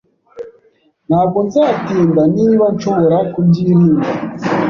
Ntabwo nzatinda niba nshobora kubyirinda.